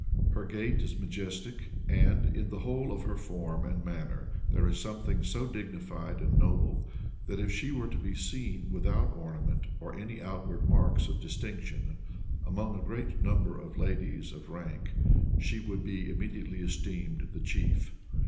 Her gait is majestic; and, in the whole of her form and manner there is something so dignified and noble, that if she were to be seen without ornament or any outward marks of distinction, among a great number of ladies of rank, she would be immediately esteemed the chief.